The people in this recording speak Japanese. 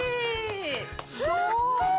すごーい！